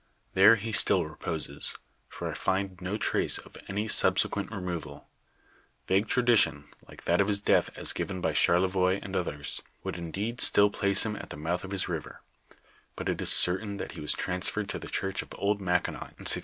There he still reposes, for I find no trace of any subsequent removal ; vague tradition, like that of his death as given by Charlevoix and others, would indeed still place him at the mouth of his river ; but it is certain that he was transferred to the church of old Mackinaw, in 1677.